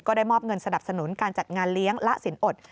ได้มอบเงินสนับสนุนการจัดงานเลี้ยงละสินอด